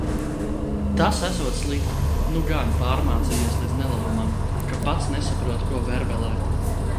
Tas esot slikti. Nu gan pārmācījies līdz nelabumam, ka pats nesaprot, ko vervelē.